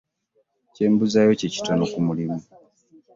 Kye mbuzaayo kye kitono ku mulimu.